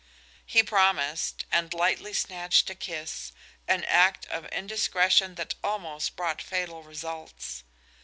He promised, and lightly snatched a kiss, an act of indiscretion that almost brought fatal results.